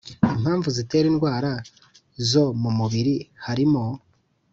impamvu zitera indwara zo mumubiri harimo